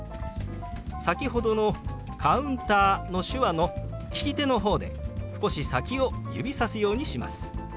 先ほどの「カウンター」の手話の利き手の方で少し先を指さすようにします。